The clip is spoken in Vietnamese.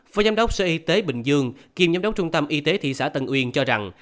phó giám đốc sở y tế bình dương kiêm giám đốc trung tâm y tế thị xã tân uyên cho rằng